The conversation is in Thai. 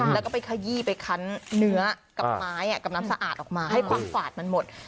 แล้วก็ไปขยี้ไปคันเนื้อกับไม้กับน้ำสะอาดออกมาให้ความฝาดมันหมด